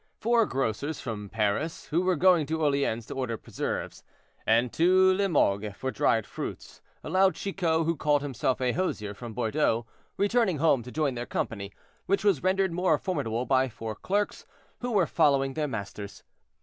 Four grocers from Paris, who were going to Orleans to order preserves, and to Limoges for dried fruits, allowed Chicot, who called himself a hosier from Bordeaux, returning home, to join their company, which was rendered more formidable by four clerks, who were following their masters.